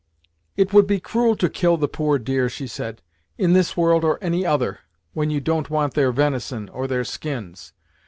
"It would be cruel to kill the poor deer," she said, "in this world, or any other, when you don't want their venison, or their skins.